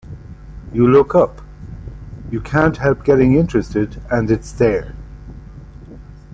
You look up... you can't help getting interested and it's there.